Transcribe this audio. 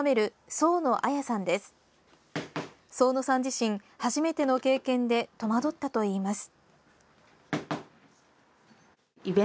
宗野さん自身、初めての経験で戸惑ったといいます。